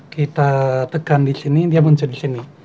kita tekan disini dia muncul disini